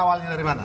ruangnya dari mana